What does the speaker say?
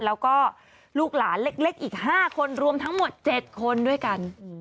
แล้วก็ลูกหลานเล็กอีก๕คนรวมทั้งหมด๗คนด้วยกัน